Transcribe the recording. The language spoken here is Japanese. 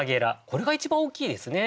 これが一番大きいですね。